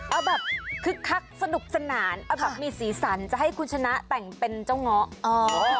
เอาแบบคึกคักสนุกสนานเอาแบบมีสีสันจะให้คุณชนะแต่งเป็นเจ้าเงาะ